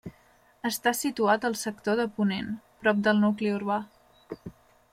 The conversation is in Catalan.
Està situat al sector de ponent, prop del nucli urbà.